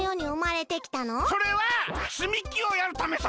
それはつみきをやるためさ。